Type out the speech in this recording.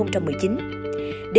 để người có thuận lợi